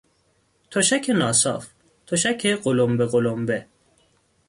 تشک ناصاف، تشک قلمبه قلمبه